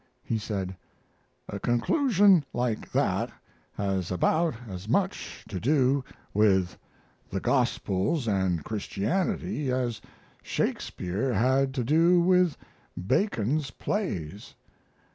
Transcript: He said: "A conclusion like that has about as much to do with the Gospels and Christianity as Shakespeare had to do with Bacon's plays.